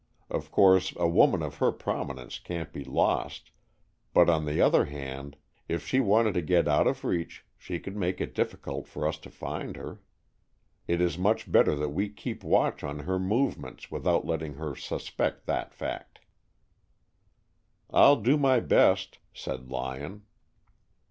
Of course a woman of her prominence can't be lost, but on the other hand, if she wanted to get out of reach, she could make it difficult for us to find her. It is much better that we keep watch on her movements without letting her suspect that fact." "I'll do my best," said Lyon.